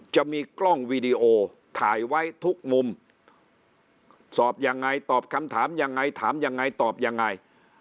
จะมีกล้องวีดีโอถ่ายไว้ทุกมุมสอบยังไงตอบคำถามยังไงถามยังไงตอบยังไง